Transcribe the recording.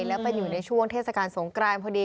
แล้วไปอยู่ในช่วงเทศกรรมสงครานพอดี